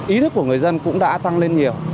ý thức của người dân cũng đã tăng lên nhiều